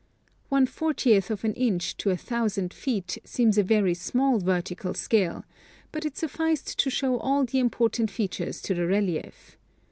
One fortieth of an inch to a thousand feet seems a very small vertical scale, but it sufficed to show all the important features of the relief.